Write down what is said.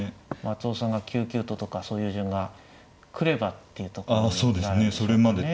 松尾さんが９九ととかそういう順が来ればっていうところなんですかね。